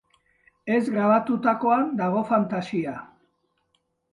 Ez grabatutakoan dago fantasia.